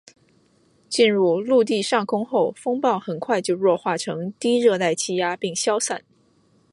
进入陆地上空后风暴很快就弱化成热带低气压并消散。